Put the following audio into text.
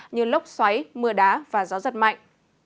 như lốc xoáy mưa đá và gió giật mạnh